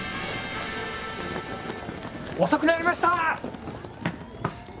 遅くなりました！